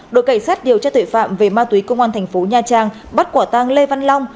đội cảnh sát điều tra tội phạm về ma túy công an thành phố nha trang bắt quả tang lê văn long